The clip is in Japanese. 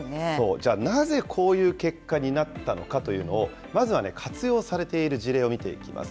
じゃあ、なぜこういう結果になったのかというのを、まずは活用されている事例を見ていきます。